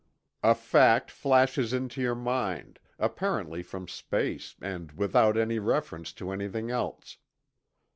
A fact flashes into your mind, apparently from space and without any reference to anything else.